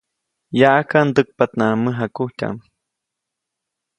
Yaʼajka, ndäkpaʼtnaʼajk mäjakujtyaʼm.